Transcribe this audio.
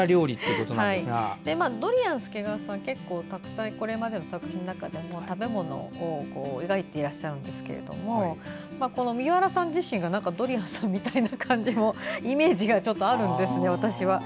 ドリアン助川さんはこれまでの作品の中でも食べ物を描いていらっしゃるんですけど麦わらさん自身がドリアンさん本人みたいなイメージが私にはあるんですよ。